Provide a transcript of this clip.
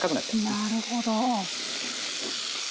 なるほど。